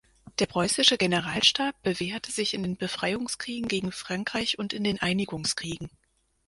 Der preußische Generalstab bewährte sich in den Befreiungskriegen gegen Frankreich und in den Einigungskriegen.